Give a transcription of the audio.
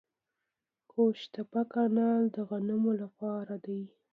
قوش تیپه کانال د غنمو لپاره دی.